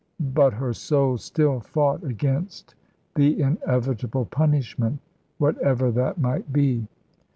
But her soul still fought against the inevitable punishment, whatever that might be.